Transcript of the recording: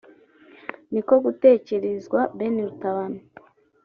niko gutekerezwa Ben Rutabana